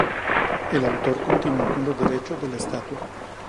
El autor continuó con los derechos de la estatua.